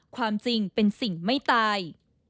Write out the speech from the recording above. ความจริงเป็นสิ่งไม่ตาย